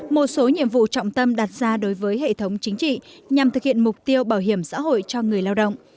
một số nhiệm vụ trọng tâm đặt ra đối với hệ thống chính trị nhằm thực hiện mục tiêu bảo hiểm xã hội cho người lao động